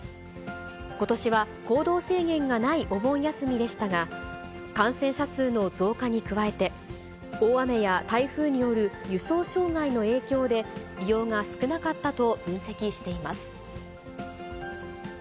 ことしは行動制限がないお盆休みでしたが、感染者数の増加に加えて、大雨や台風による輸送障害の影響で、利用が少なかったと分析しています。